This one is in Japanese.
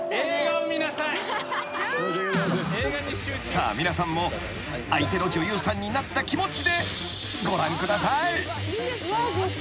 ［さあ皆さんも相手の女優さんになった気持ちでご覧ください］